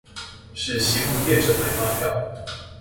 是希望業者開發票